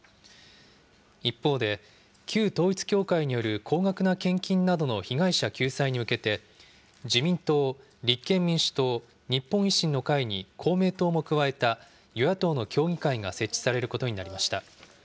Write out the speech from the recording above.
一方で、旧統一教会による高額な献金などの被害者救済に向けて、自民党、立憲民主党、日本維新の会に公明党も加えた、与野党の協議会が設置されることになりました。